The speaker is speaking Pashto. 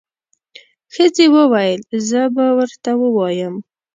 ښځې وويل زه به ورته ووایم.